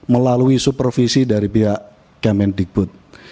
melalui supervisi dari pihak kemendikbud